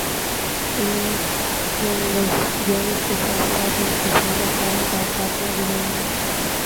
ان gangs کے ساتھ ساتھ انکے سہولت کاروں کا خاتمہ بھی ضروری ہے